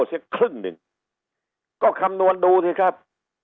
เสียครึ่งหนึ่งก็คำนวณดูสิครับ